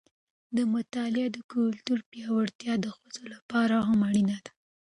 د مطالعې د کلتور پیاوړتیا د ښځو لپاره هم اړینه ده.